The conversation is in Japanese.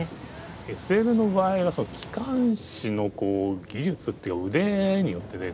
ＳＬの場合は機関士の技術っていうか腕によってね